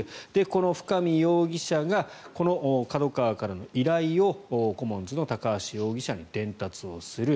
この深見容疑者がこのＫＡＤＯＫＡＷＡからの依頼をコモンズの高橋容疑者に伝達をする。